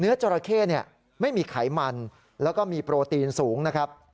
จราเข้ไม่มีไขมันแล้วก็มีโปรตีนสูงนะครับ